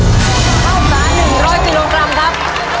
เท่าไหร่๑๐๐กิโลกรัมครับ